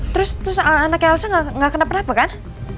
terus anaknya ilsa enggak kena kena kenapa kan